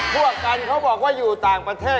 พวกกันเขาบอกว่าอยู่ต่างประเทศ